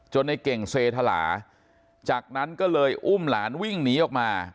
ในเก่งเซธลาจากนั้นก็เลยอุ้มหลานวิ่งหนีออกมา